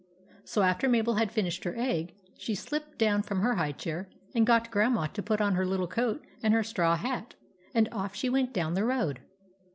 So after Mabel had finished her egg, she slipped down from her high chair and got Grandma to put on her little coat and her straw hat, and off she went down the road.